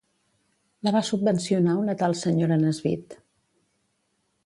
La va subvencionar una tal senyora Nesbit.